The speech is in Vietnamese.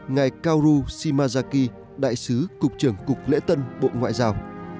ngài kaoru shimazaki đại sứ cục trưởng cục lễ tân bộ ngoại giao